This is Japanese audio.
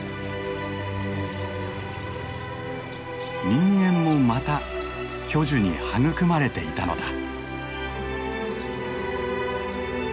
人間もまた巨樹に育まれていたのだ。